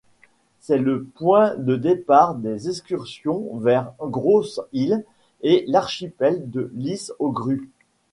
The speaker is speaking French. C'est le point de départ des excursions vers Grosse-Île et l'archipel de l'Isle-aux-Grues.